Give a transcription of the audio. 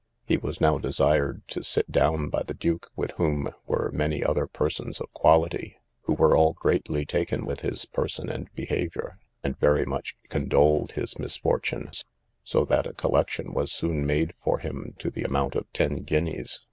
He was now desired to sit down by the duke, with whom were many other persons of quality, who were all greatly taken with his person and behaviour, and very much condoled his misfortunes; so that a collection was soon made for him to the amount of ten guineas.